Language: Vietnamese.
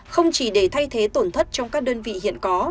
không chỉ để thay thế tổn thất trong các đơn vị hiện có